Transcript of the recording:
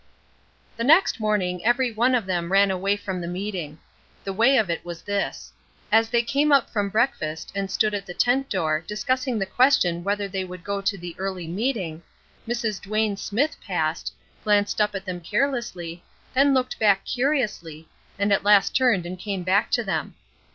The next morning every one of them ran away from the meeting. The way of it was this: as they came up from breakfast and stood at the tent door discussing the question whether they would go to the early meeting, Mrs. Duane Smithe passed, glanced up at them carelessly, then looked back curiously, and at last turned and came back to them.